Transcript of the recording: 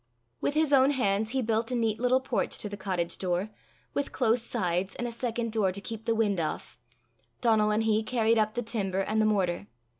With his own hands he built a neat little porch to the cottage door, with close sides and a second door to keep the wind off: Donal and he carried up the timber and the mortar.